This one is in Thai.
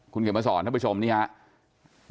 คุณเขียนมาสอนท่านผู้ชมนี่ครับ